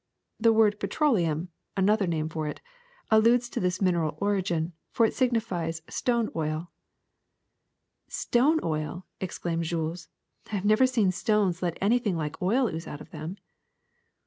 The word petroleum (another name for it) alludes to this mineral origin, for it signifies stone oil '^'' Stone oil !'' exclaimed Jules. '' I have never seen stones that let anything like oil ooze out of them.''